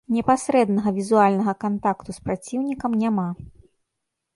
Непасрэднага візуальнага кантакту з праціўнікам няма.